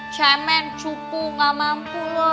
cemen cupu gak mampu loh